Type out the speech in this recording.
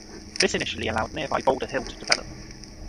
This initially allowed nearby Boulder Hill to develop.